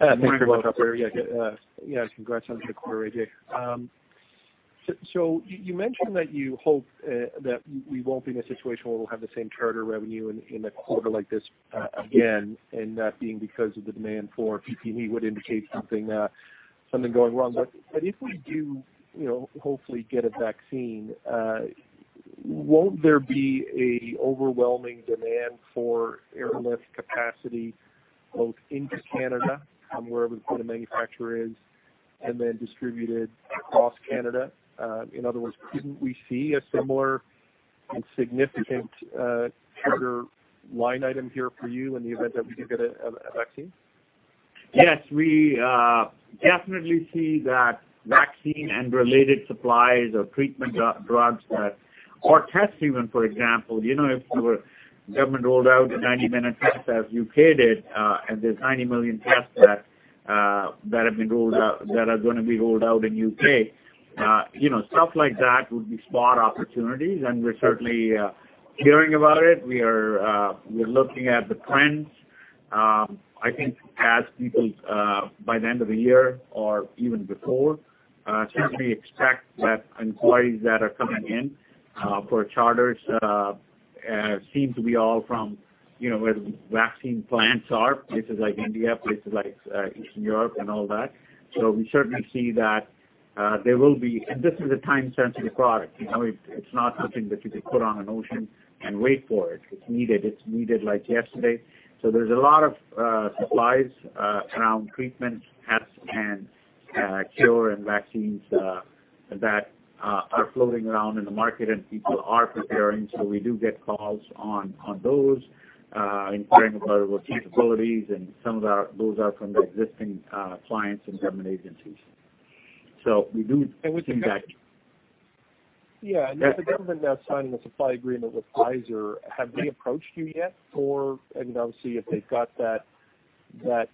Good morning, Walter. Thanks for the call, Gunner. Yeah. Congrats on the quarter Ajay. You mentioned that you hope that we won't be in a situation where we'll have the same charter revenue in a quarter like this again, and that being because of the demand for PPE would indicate something going wrong. If we do hopefully get a vaccine, won't there be a overwhelming demand for airlift capacity both into Canada from wherever the manufacturer is, and then distributed across Canada? In other words, couldn't we see a similar and significant charter line item here for you in the event that we do get a vaccine? Yes, we definitely see that vaccine and related supplies or treatment drugs that, or tests even, for example. If your government rolled out a 90-minute test as U.K. did, and there's 90 million tests that are going to be rolled out in U.K. Stuff like that would be spot opportunities, and we're certainly hearing about it. We're looking at the trends. I think as people, by the end of the year or even before, certainly expect that inquiries that are coming in for charters seem to be all from where the vaccine plants are, places like India, places like Eastern Europe and all that. We certainly see that there will be. This is a time-sensitive product. It's not something that you could put on an ocean and wait for it. It's needed like yesterday. There's a lot of supplies around treatment, tests and cure and vaccines that are floating around in the market, and people are preparing. We do get calls on those, inquiring about our capabilities, and some of those are from the existing clients and government agencies. Now the government now signing a supply agreement with Pfizer. Have they approached you yet for, obviously, if they've got that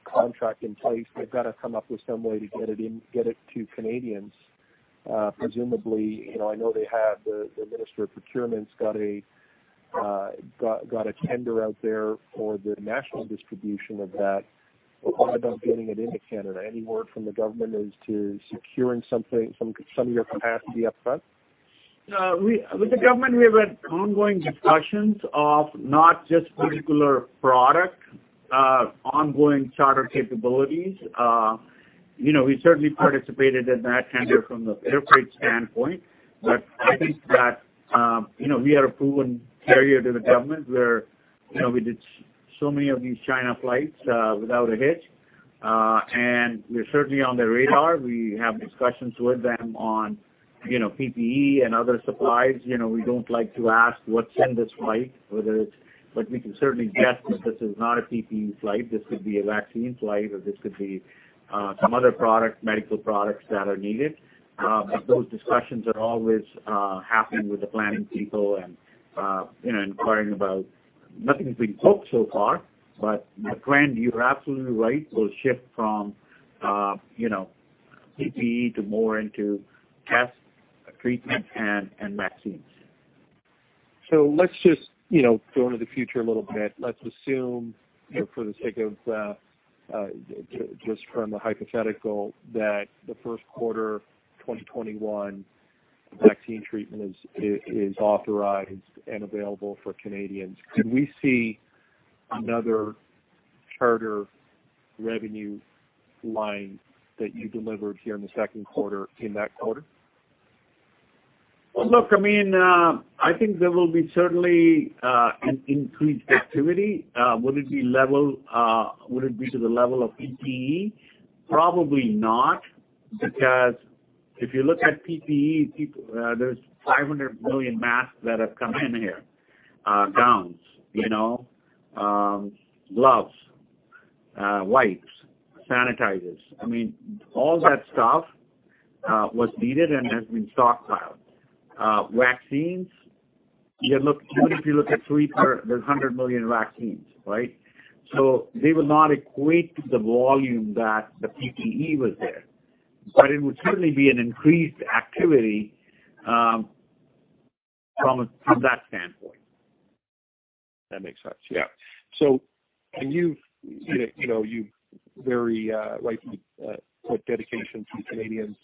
contract in place, they've got to come up with some way to get it to Canadians. Presumably, I know they have the minister of procurement's got a tender out there for the national distribution of that. What about getting it into Canada? Any word from the government as to securing some of your capacity up front? With the government, we have had ongoing discussions of not just particular product, ongoing charter capabilities. We certainly participated in that tender from the air freight standpoint. I think that we are a proven carrier to the government, where we did so many of these China flights without a hitch. We're certainly on their radar. We have discussions with them on PPE and other supplies. We don't like to ask what's in this flight, but we can certainly guess that this is not a PPE flight. This could be a vaccine flight, or this could be some other product, medical products that are needed. Those discussions are always happening with the planning people and inquiring about. Nothing's been booked so far, but the trend, you're absolutely right, will shift from PPE to more into tests, treatment, and vaccines. Let's just go into the future a little bit. Let's assume, for the sake of just from the hypothetical, that the first quarter 2021 vaccine treatment is authorized and available for Canadians. Could we see another charter revenue line that you delivered here in the second quarter in that quarter? Well, look, I think there will be certainly an increased activity. Would it be to the level of PPE? Probably not, because if you look at PPE, there's 500 million masks that have come in here. Gowns, gloves, wipes, sanitizers. All that stuff was needed and has been stockpiled. Vaccines, even if you look at three per, there's 100 million vaccines, right? They will not equate to the volume that the PPE was there. It would certainly be an increased activity from that standpoint. That makes sense. Yeah. You very rightly put dedication to Canadians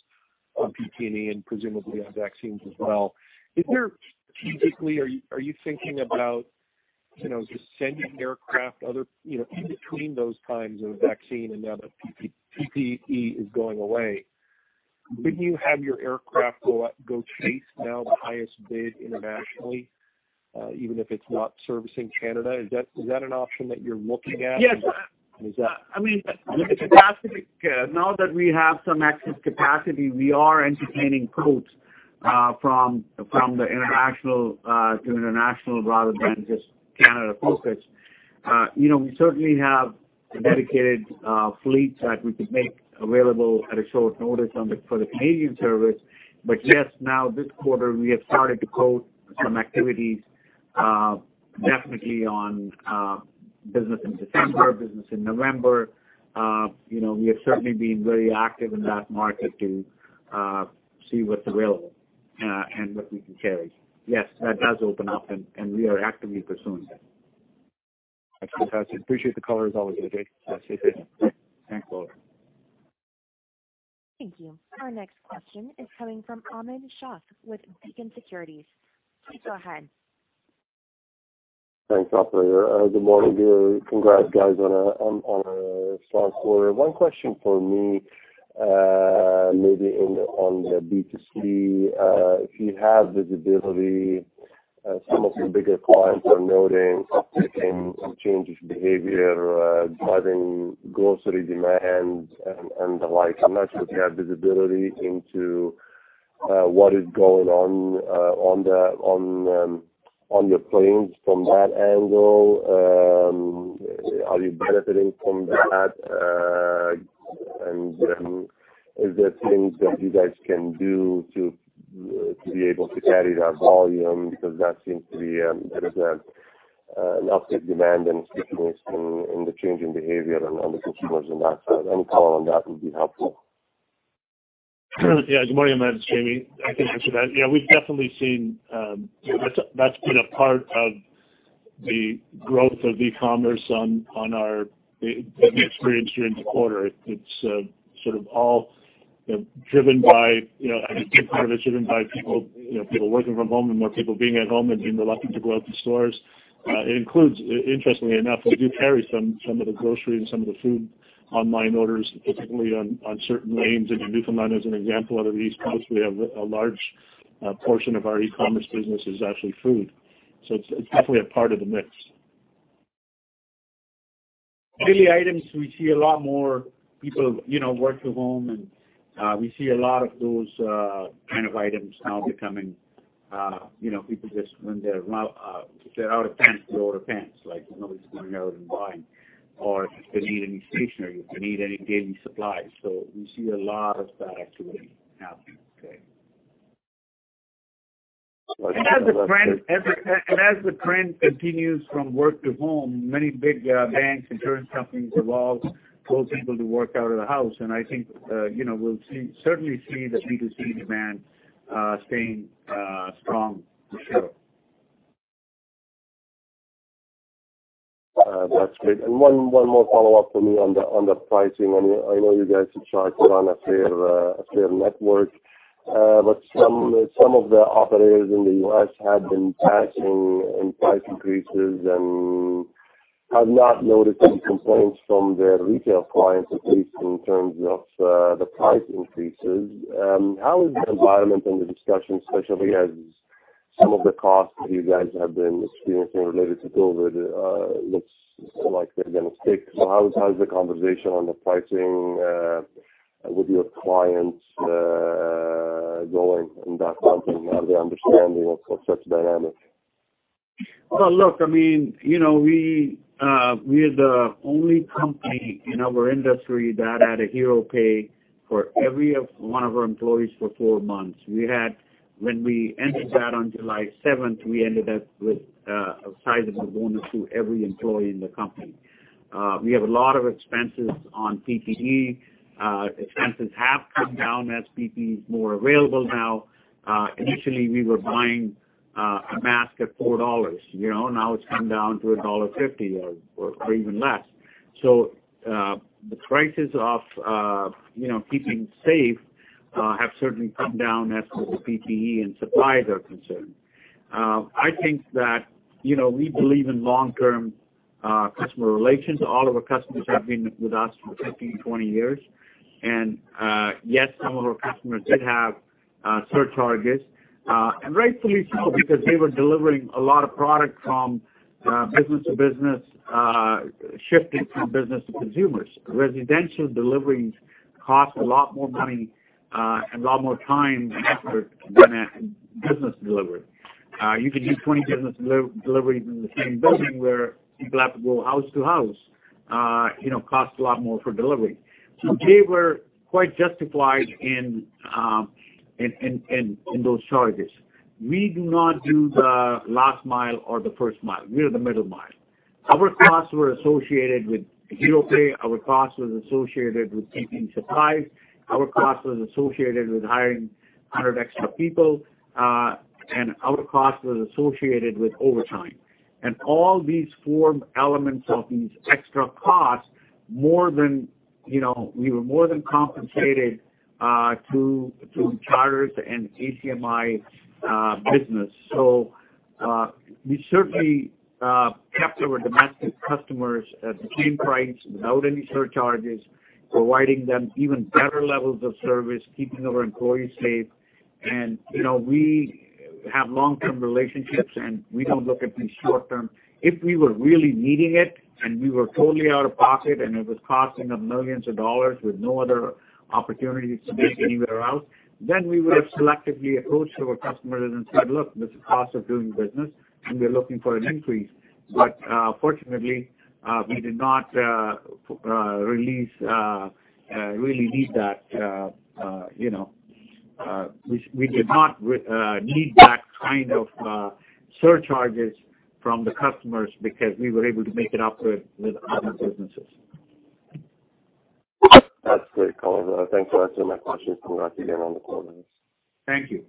on PPE and presumably on vaccines as well. Is there, typically, are you thinking about just sending aircraft in between those times of vaccine and now that PPE is going away? Could you have your aircraft go chase now the highest bid internationally, even if it's not servicing Canada? Is that an option that you're looking at? Yes. Is that- Now that we have some excess capacity, we are entertaining quotes from the international to international rather than just Canada focused. We certainly have a dedicated fleet that we could make available at a short notice for the Canadian service. Yes, now this quarter, we have started to quote some activities, definitely on business in December, business in November. We have certainly been very active in that market to see what's available and what we can carry. Yes, that does open up, and we are actively pursuing that. That's fantastic. Appreciate the color as always, Ajay. Yes. Thanks a lot. Thank you. Our next question is coming from Ahmed Shaath with Beacon Securities. Please go ahead. Thanks, operator. Good morning to you. Congrats guys on a strong quarter. One question for me, maybe on the B2C, if you have visibility, some of your bigger clients are noting a change of behavior driving grocery demands and the like. I'm not sure if you have visibility into what is going on your planes from that angle. Are you benefiting from that? Is there things that you guys can do to be able to carry that volume? Because that seems to be a bit of an uptick demand and stickiness in the change in behavior on the consumers in that side. Any color on that would be helpful. Good morning, Ahmad. It's Jamie. I can answer that. We've definitely seen that's been a part of. The growth of e-commerce that we experienced during the quarter, I think part of it's driven by people working from home and more people being at home and being reluctant to go out to stores. It includes, interestingly enough, we do carry some of the grocery and some of the food online orders, particularly on certain lanes into Newfoundland as an example. Out of the East Coast, we have a large portion of our e-commerce business is actually food. It's definitely a part of the mix. Daily items, we see a lot more people work from home, and we see a lot of those kind of items now people, if they're out of pants, they order pants. Nobody's going out and buying if they need any stationery, if they need any daily supplies. We see a lot of that activity happening today. As the trend continues from work to home, many big banks, insurance companies allow those people to work out of the house. I think, we'll certainly see the B2C demand staying strong for sure. That's great. One more follow-up for me on the pricing. I know you guys have charged on a fair network. Some of the operators in the U.S. have been passing in price increases and have not noticed any complaints from their retail clients, at least in terms of the price increases. How is the environment and the discussion, especially as some of the costs that you guys have been experiencing related to COVID, looks like they're going to stick. How is the conversation on the pricing with your clients going in that context? Are they understanding of such dynamics? Look, we are the only company in our industry that had a hero pay for every one of our employees for four months. When we ended that on July 7th, we ended up with a sizable bonus to every employee in the company. We have a lot of expenses on PPE. Expenses have come down as PPE is more available now. Initially, we were buying a mask at 4 dollars. Now it's come down to dollar 1.50 or even less. The prices of keeping safe have certainly come down as far as PPE and supplies are concerned. I think that we believe in long-term customer relations. All of our customers have been with us for 15-20 years. Yes, some of our customers did have surcharges, and rightfully so, because they were delivering a lot of product from business to business, shifting from business to consumers. Residential deliveries cost a lot more money and a lot more time and effort than a business delivery. You could do 20 business deliveries in the same building, where people have to go house to house. Costs a lot more for delivery. They were quite justified in those charges. We do not do the last mile or the first mile. We are the middle mile. Our costs were associated with hero pay, our cost was associated with keeping supplies, our cost was associated with hiring 100 extra people, and our cost was associated with overtime. All these four elements of these extra costs, we were more than compensated through charters and ACMI business. We certainly kept our domestic customers at the same price without any surcharges, providing them even better levels of service, keeping our employees safe. We have long-term relationships, and we don't look at these short-term. If we were really needing it and we were totally out of pocket and it was costing us millions of CAD with no other opportunities to make anywhere else, then we would have selectively approached our customers and said, "Look, this is the cost of doing business, and we're looking for an increase." Fortunately, we did not really need that. We did not need that kind of surcharges from the customers because we were able to make it up with other businesses. That's great, Konark. Thanks for answering my questions. Congrats again on the quarters. Thank you.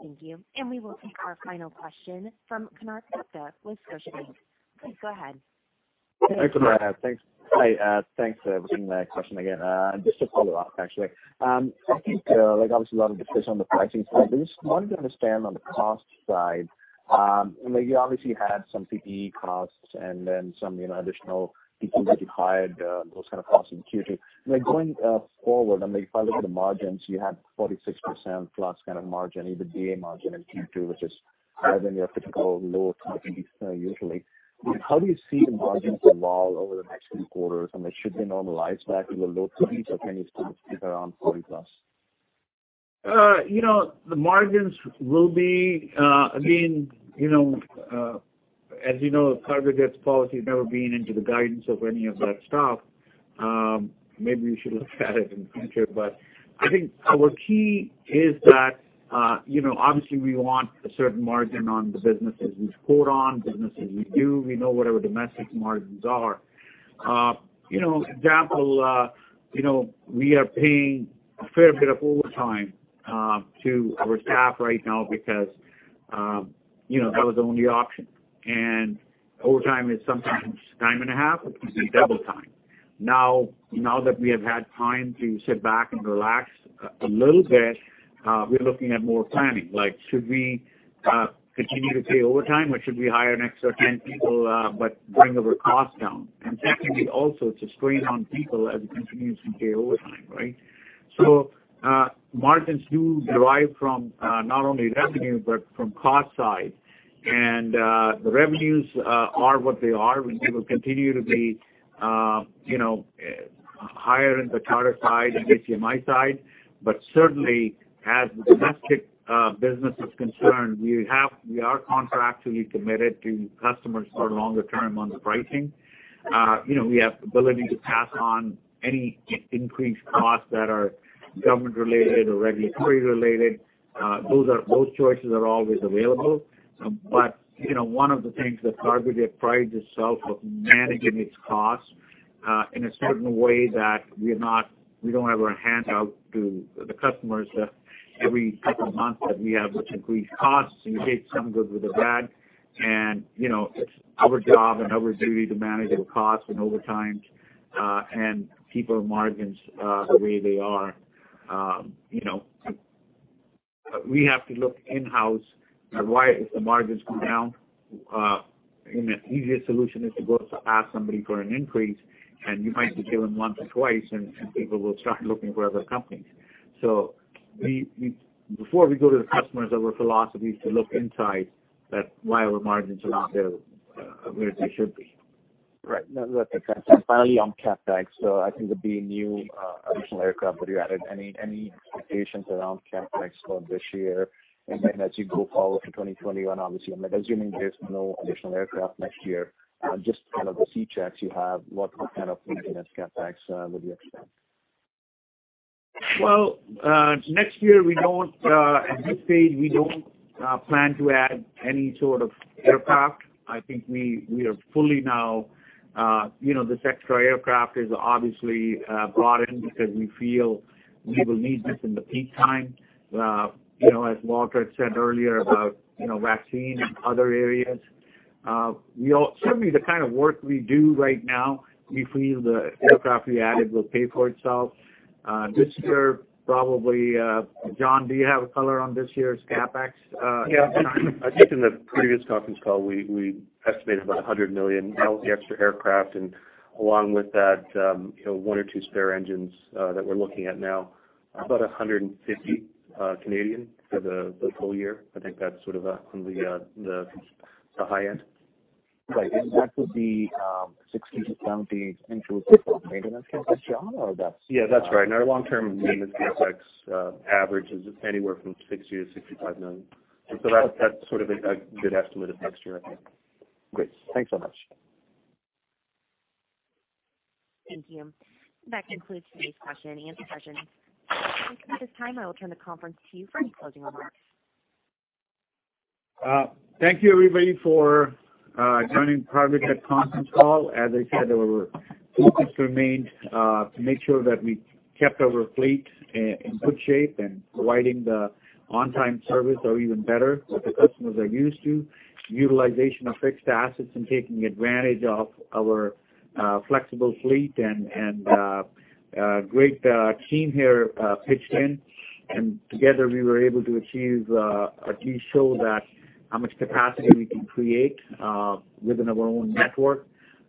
Thank you. We will take our final question from Konark Gupta with Scotiabank. Please go ahead. Thanks for that. Hi, thanks for taking my question again. Just to follow up, actually. I think, obviously a lot of the discussion on the pricing side, but I just wanted to understand on the cost side. You obviously had some PPE costs and then some additional people that you hired, those kind of costs in Q2. Going forward, if I look at the margins, you had 46% plus kind of margin, EBITDA margin in Q2, which is higher than your typical low 20s usually. How do you see the margins evolve over the next few quarters? Should they normalize back to the low 20s, or can you still keep around 40+? The margins will be, again, as you know, Cargojet's policy has never been into the guidance of any of that stuff. Maybe we should look at it in the future, but I think our key is that obviously we want a certain margin on the businesses we quote on, businesses we do. We know whatever domestic margins are. Example, we are paying a fair bit of overtime to our staff right now because that was the only option, and overtime is sometimes time-and-a-half or can be double time. Now that we have had time to sit back and relax a little bit, we're looking at more planning, like should we continue to pay overtime, or should we hire an extra 10 people but bring our cost down? Secondly, also, it's a strain on people as we continue to pay overtime, right? Margins do derive from not only revenue but from cost side. The revenues are what they are. We will continue to be higher in the charter side and ACMI side. Certainly, as the domestic business is concerned, we are contractually committed to customers for longer term on the pricing. We have the ability to pass on any increased costs that are government-related or regulatory-related. Those choices are always available. One of the things that Cargojet prides itself of managing its costs in a certain way that we don't have our hand out to the customers every couple of months that we have with increased costs, and you take some good with the bad. It's our job and our duty to manage our costs and overtimes and keep our margins the way they are. We have to look in-house at why the margins go down. The easiest solution is to go ask somebody for an increase. You might do it once or twice, and people will start looking for other companies. Before we go to the customers, our philosophy is to look inside at why our margins are not where they should be. Right. No, that makes sense. Finally, on CapEx, I think there'll be new additional aircraft that you added. Any expectations around CapEx for this year and then as you go forward to 2021? Obviously, I'm assuming there's no additional aircraft next year. Just the C-checks you have, what kind of maintenance CapEx would you expect? Next year, at this stage, we don't plan to add any sort of aircraft. I think we are fully This extra aircraft is obviously brought in because we feel we will need this in the peak time. As Walter had said earlier about vaccine and other areas. Certainly the kind of work we do right now, we feel the aircraft we added will pay for itself this year, probably. John, do you have a color on this year's CapEx? Yeah. I think in the previous conference call, we estimated about 100 million. That was the extra aircraft and along with that one or two spare engines that we're looking at now. About 150 for the full year. I think that's sort of on the high end. Right. That would be 60-70 into maintenance CapEx, John? Yeah, that's right. Our long-term maintenance CapEx average is anywhere from 60 million-65 million. That's a good estimate of next year, I think. Great. Thanks so much. Thank you. That concludes today's question and answer session. At this time, I will turn the conference to you for any closing remarks. Thank you, everybody, for joining Cargojet conference call. As I said, our focus remained to make sure that we kept our fleet in good shape and providing the on-time service or even better what the customers are used to. Utilization of fixed assets and taking advantage of our flexible fleet and great team here pitched in. Together we were able to achieve or at least show how much capacity we can create within our own network.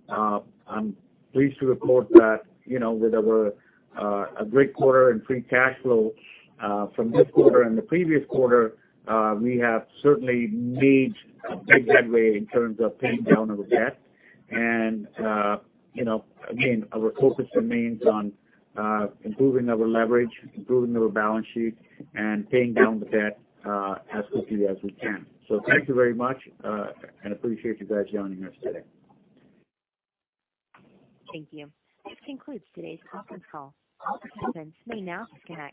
I'm pleased to report that with our great quarter in free cash flow from this quarter and the previous quarter, we have certainly made big headway in terms of paying down our debt. Again, our focus remains on improving our leverage, improving our balance sheet, and paying down the debt as quickly as we can. Thank you very much, and appreciate you guys joining us today. Thank you. This concludes today's conference call. All participants may now disconnect.